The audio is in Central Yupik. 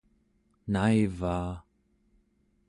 naivaa